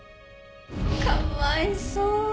かわいそう。